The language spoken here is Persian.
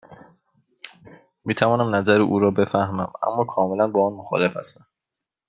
می توانم نظر او را بفهمم، اما کاملا با آن مخالف هستم.